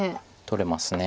取れます。